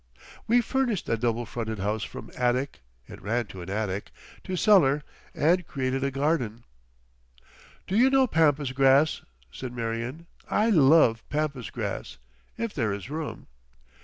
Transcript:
We furnished that double fronted house from attic—it ran to an attic—to cellar, and created a garden. "Do you know Pampas Grass?" said Marion. "I love Pampas Grass... if there is room."